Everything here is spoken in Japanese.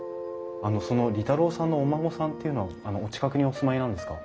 あのその利太郎さんのお孫さんっていうのはお近くにお住まいなんですか？